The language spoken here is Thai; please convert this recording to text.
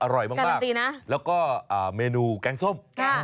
อร่อยมากแล้วก็เมนูแกงส้ม